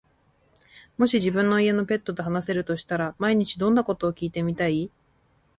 もし自分の家のペットと話せるとしたら、毎日どんなことを聞いてみたい？